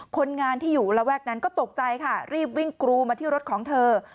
คนงานที่อยู่ระแวกนั้นก็ตกใจค่ะรีบวิ่งกรูมาที่รถของเธอ